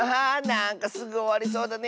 なんかすぐおわりそうだね